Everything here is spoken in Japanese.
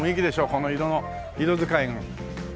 この色の色使いも。